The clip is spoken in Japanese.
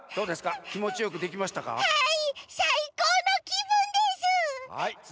はい。